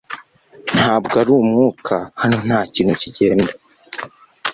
Ntabwo ari umwuka hano nta kintu kigenda